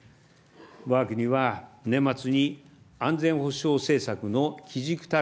わが国は年末に安全保障政策の基軸たる